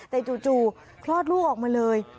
แต่จู่คลอดลูกออกมาเลย